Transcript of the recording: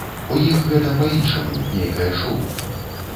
У іх гэта па-іншаму, нейкае шоу.